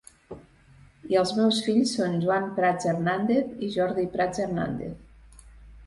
I els meus fill són Joan Prats Hernández i Jordi Prats Hernández.